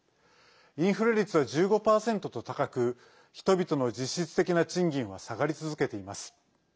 インフレ率は１５％と高く人々の実質的な賃金は下がり続けています。